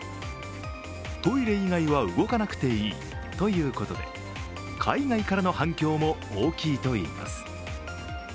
トイレ以外は動かなくていいということで海外からの反響も大きいといいます。